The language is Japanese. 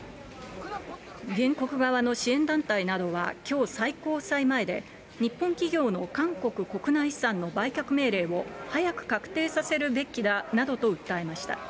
原告側の支援団体などは、きょう最高裁前で、日本企業の韓国国内資産の売却命令を早く確定させるべきだなどと訴えました。